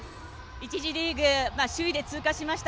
１次リーグ首位で通過しました。